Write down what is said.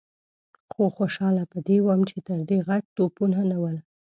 خو خوشاله په دې وم چې تر دې غټ توپونه نه ول.